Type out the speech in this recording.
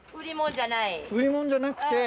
売り物じゃなくて？